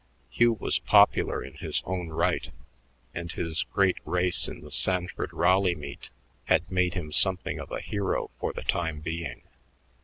Hugh was popular in his own right, and his great race in the Sanford Raleigh meet had made him something of a hero for the time being.